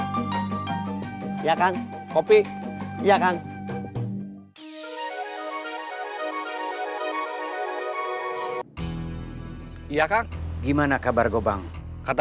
saya kekauan bener the